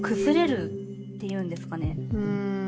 うん。